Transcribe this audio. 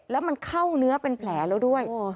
แล้วมันเข้าเนื้อเป็นแผลแล้วด้วย